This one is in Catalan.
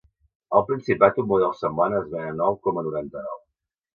Al Principat un model semblant es ven a nou coma noranta-nou.